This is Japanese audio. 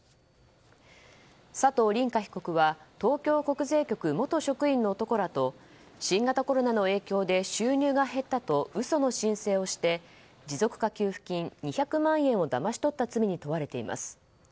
佐藤凜果被告は東京国税局元職員の男らと新型コロナの影響で収入が減ったと嘘の申請をして持続化給付金２００万円をだまし取った罪に問われています。